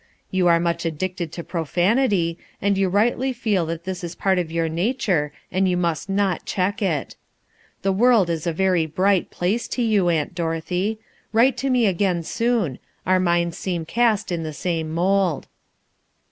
You are much addicted to profanity, and you rightly feel that this is part of your nature and you must not check it. The world is a very bright place to you, Aunt Dorothea. Write to me again soon. Our minds seem cast in the same mould."